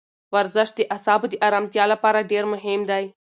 ورزش د اعصابو د ارامتیا لپاره ډېر مهم دی.